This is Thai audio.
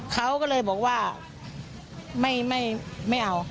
เขาก็เลยบอกว่าไม่เอา